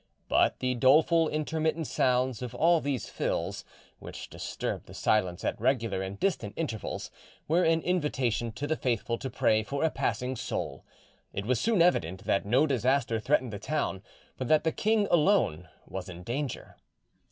But the doleful, intermittent sounds of all these fills, which disturbed the silence at regular and distant intervals, were an invitation to the faithful to pray for a passing soul, and it was soon evident that no disaster threatened the town, but that the king alone was in danger.